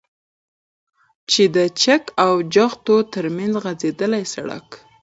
چې د چك او جغتو ترمنځ غځېدلى سړك